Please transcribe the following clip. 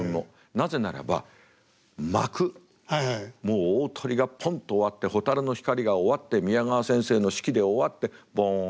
なぜならば巻くもう大トリがポンと終わって「蛍の光」が終わって宮川先生の指揮で終わってボン！